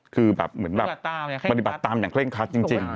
คือแบบบริบัติตามอย่างเคร่งครัสจริง